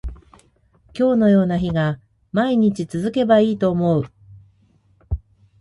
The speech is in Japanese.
今日のような日が毎日続けばいいと思う